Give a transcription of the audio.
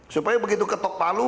supaya begitu ketok malu